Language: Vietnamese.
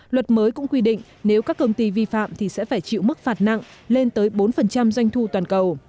luật mới cũng quy định nếu các công ty vi phạm thì sẽ phải chịu mức phạt nặng lên tới bốn doanh thu toàn cầu